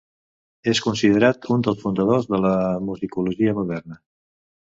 És considerat un dels fundadors de la musicologia moderna.